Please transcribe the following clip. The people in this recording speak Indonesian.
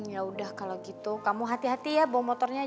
ya udah kalau gitu kamu hati hati ya bom motornya